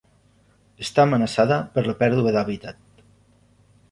Està amenaçada per la pèrdua d'hàbitat.